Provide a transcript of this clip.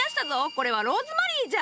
これはローズマリーじゃ！